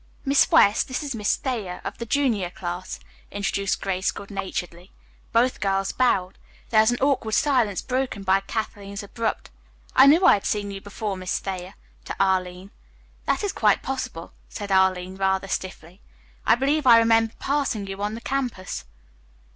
"Miss West, this is Miss Thayer, of the junior class," introduced Grace good naturedly. Both girls bowed. There was an awkward silence, broken by Kathleen's abrupt, "I knew I had seen you before, Miss Thayer," to Arline. "That is quite possible," said Arline, rather stiffly. "I believe I remember passing you on the campus."